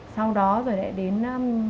sau đó rồi lại đến